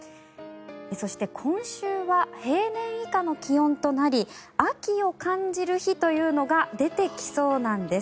そして、今週は平年以下の気温となり秋を感じる日というのが出てきそうなんです。